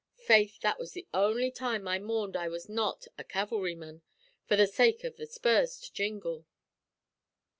Faith, that was the only time I mourned I was not a cav'lryman, for the sake av the spurs to jingle.